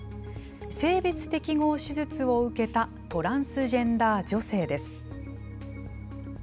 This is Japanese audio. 性別適合手術を受けたトランスジェンダー女性です。